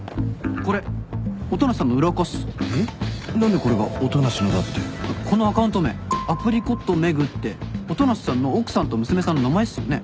このアカウント名「ａｐｒｉｃｏｔｍｅｇ」って音無さんの奥さんと娘さんの名前っすよね。